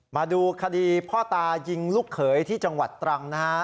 มาดูคดีพ่อตายิงลูกเขยที่จังหวัดตรังนะฮะ